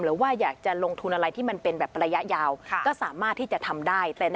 หรือว่าอยากจะลงทุนอะไรที่มันเป็นแบบระยะยาวก็สามารถที่จะทำได้